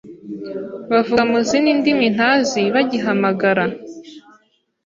bavuga mu zindi ndimi ntazi bagihamagara